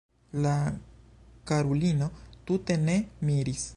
La karulino tute ne miris.